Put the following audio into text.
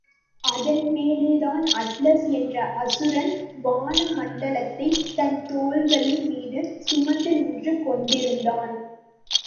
அதன்மேலேதான் Atlas என்ற அசுரன் வான மண்டலத்தைத் தன் தோள்களின் மீது சுமந்து நின்று கொண்டிருந்தான்.